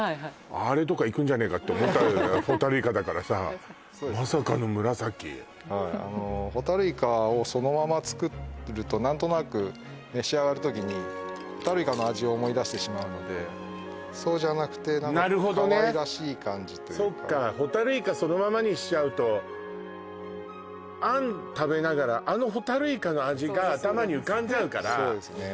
あれとかいくんじゃねえかって思ったホタルイカだからさそうですねまさかの紫ホタルイカをそのまま作ると何となく召し上がる時にホタルイカの味を思い出してしまうのでそうじゃなくてかわいらしい感じというかそっかホタルイカそのままにしちゃうとあん食べながらあのホタルイカの味が頭に浮かんじゃうからそうですね